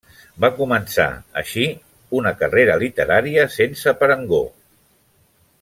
Va començar, així, una carrera literària sense parangó.